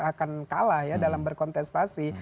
akan kalah ya dalam berkontestasi